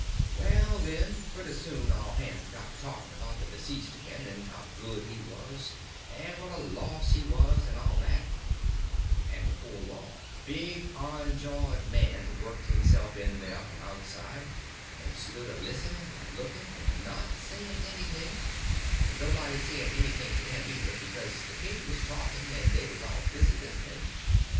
Well, then, pretty soon all hands got to talking about the diseased again, and how good he was, and what a loss he was, and all that; and before long a big iron jawed man worked himself in there from outside, and stood a listening and looking, and not saying anything; and nobody saying anything to him either, because the king was talking and they was all busy listening.